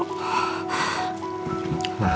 ada apa sih